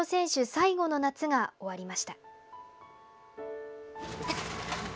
最後の夏が終わりました。